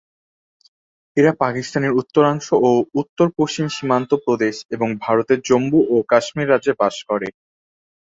এরা পাকিস্তানের উত্তরাংশ ও উত্তরপশ্চিম সীমান্ত প্রদেশ এবং ভারতের জম্মু ও কাশ্মীর রাজ্যে বাস করে।